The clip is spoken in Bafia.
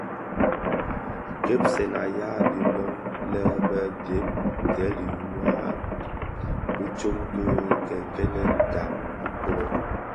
Gèpsèn ya i dhi loň lè bè dheb ndhèli wa bi tsom ki kènènkenen ndhan dhikō.